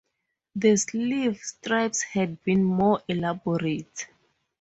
The sleeve stripes had been more elaborate.